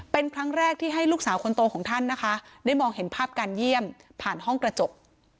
เป็นครั้งแรกที่ให้ลูกสาวคนโตของท่านนะคะได้มองเห็นภาพการเยี่ยมผ่านห้องกระจก